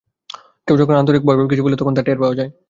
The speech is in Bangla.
কেউ যখন আন্তরিকভাবে কিছু বলে তখন তা টের পাওয়া যায়।